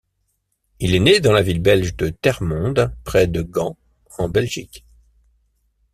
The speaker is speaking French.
Il est né dans la ville belge de Termonde, près de Gand, en Belgique.